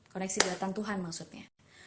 koneksi buatan tuhan maksudnya